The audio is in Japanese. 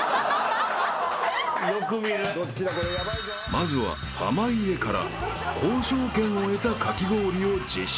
［まずは濱家から交渉権を得たかき氷を実食］